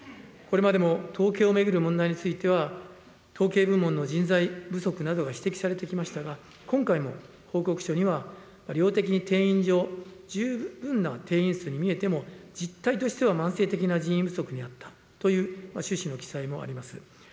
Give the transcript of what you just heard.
これまでも統計を巡る問題については、統計部門の人材不足などが指摘されてきましたが、今回も報告書には、量的に定員上、十分な定員数に見えても、実態としては慢性的な人員不足にあったという趣旨の記載もあります。